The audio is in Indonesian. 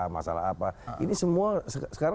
masalah apa ini semua